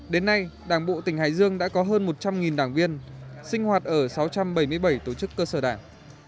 đến nay đảng bộ tỉnh hải dương đã có hơn một trăm linh đảng viên sinh hoạt ở sáu trăm bảy mươi bảy tổ chức cơ sở đảng